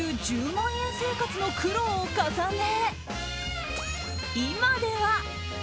１０万円生活の苦労を重ね今では。